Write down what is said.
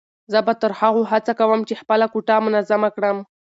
زه به تر هغو هڅه کوم چې خپله کوټه منظمه کړم.